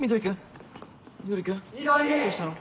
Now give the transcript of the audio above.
どうしたの？